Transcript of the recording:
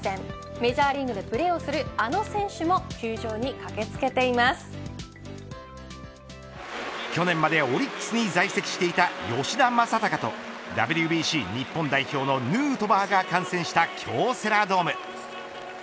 メジャーリーグでプレーをするあの選手も去年までオリックスに在籍していた吉田正尚とＷＢＣ日本代表のヌートバーが観戦した京セラドーム。